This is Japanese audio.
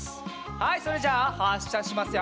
はいそれじゃあはっしゃしますよ。